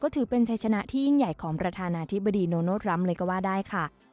ถือเป็นชัยชนะที่ยิ่งใหญ่ของประธานาธิบดีโนทรัมป์เลยก็ว่าได้ค่ะ